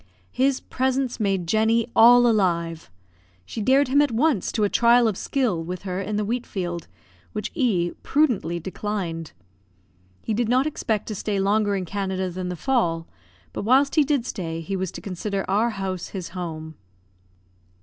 His presence made Jenny all alive; she dared him at once to a trial of skill with her in the wheat field, which E prudently declined. He did not expect to stay longer in Canada than the fall, but, whilst he did stay, he was to consider our house his home.